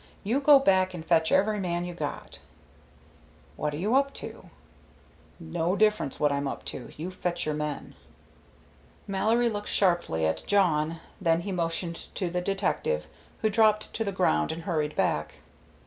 "You go back and fetch every man you got." "What are you up to?" "No difference what I'm up to. You fetch your men." Mallory looked sharply at Jawn, then he motioned to the detective, who dropped to the ground and hurried back.